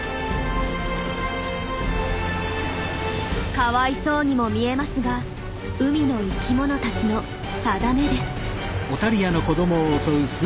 かわいそうにも見えますが海の生きものたちの定めです。